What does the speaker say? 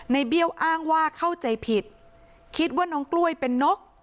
เบี้ยวอ้างว่าเข้าใจผิดคิดว่าน้องกล้วยเป็นนก